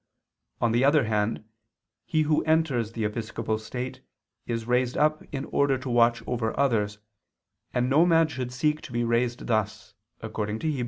On the other hand, he who enters the episcopal state is raised up in order to watch over others, and no man should seek to be raised thus, according to Heb.